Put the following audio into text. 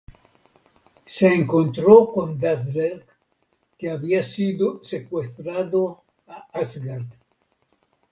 Se encontró con Dazzler, que había sido secuestrado a Asgard.